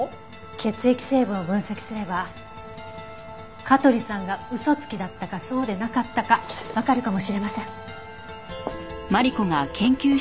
血液成分を分析すれば香取さんが嘘つきだったかそうでなかったかわかるかもしれません。